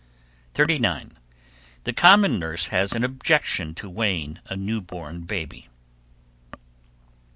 39. The common nurse has an objection to weighing a new born baby.